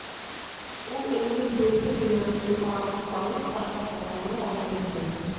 Ул өнһөҙ-һүҙһеҙ генә уға һоҡланып ҡарап тыңланы ла ултырҙы.